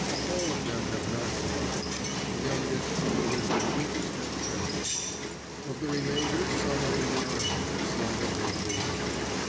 All of them have not survived; the youngest, oldest and weakest have perished. Of the remainder some are in the army. Some have moved away.